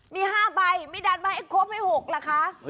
มี๕ใบไม่ดันมาครบให้๖ล่ะคะ